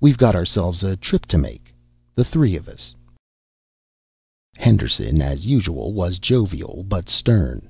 "We've got ourselves a trip to make, the three of us." Henderson, as usual, was jovial but stern.